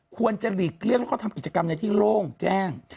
ควรจะหลีกเลี่ยงแล้วก็ทำกิจกรรมในที่โล่งแจ้ง